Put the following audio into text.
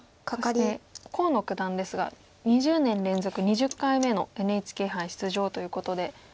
そして河野九段ですが２０年連続２０回目のＮＨＫ杯出場ということで。